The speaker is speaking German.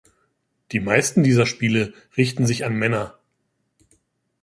Die meisten dieser Spiele richten sich an Männer.